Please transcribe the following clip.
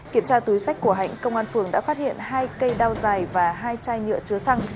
kiểm tra túi sách của hạnh công an phường đã phát hiện hai cây đao dài và hai chai nhựa chứa xăng